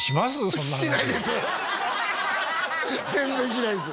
そんな話しないです